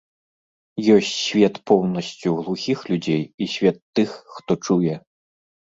Ёсць свет поўнасцю глухіх людзей і свет тых, хто чуе.